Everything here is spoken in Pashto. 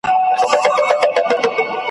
که زندان که پنجره وه نس یې موړ وو `